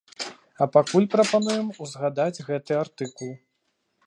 А пакуль прапануем узгадаць гэты артыкул.